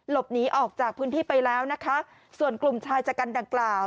หลบหนีออกจากพื้นที่ไปแล้วนะคะส่วนกลุ่มชายชะกันดังกล่าว